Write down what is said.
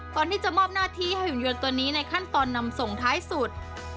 ก่อนที่จะมอบหน้าที่ให้หุ่นยนต์ตัวนี้ในขั้นตอนนำส่งท้ายสุด